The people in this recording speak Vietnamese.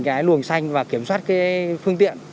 cái luồng xanh và kiểm soát cái phương tiện